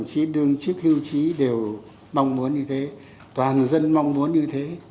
chí đương chức hưu trí đều mong muốn như thế toàn dân mong muốn như thế